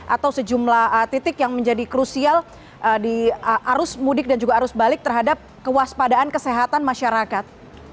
atau sejumlah titik yang menjadi krusial di arus mudik dan juga arus balik terhadap kewaspadaan kesehatan masyarakat